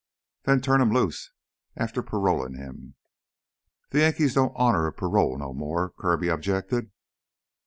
"Then turn him loose, after parolin' him " "The Yankees don't honor a parole no more," Kirby objected.